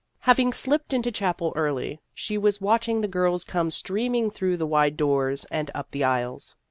Having slipped into chapel early, she was watch ing the girls come streaming through the wide doors and up the aisles.